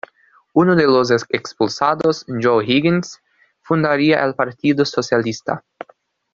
Uno de los expulsados, Joe Higgins, fundaría el Partido Socialista.